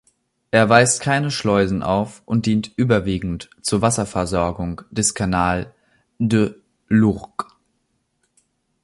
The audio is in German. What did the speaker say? Er weist keine Schleusen auf und dient überwiegend zur Wasserversorgung des Canal de l’Ourcq.